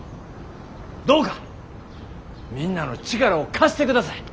どうかみんなの力を貸してください。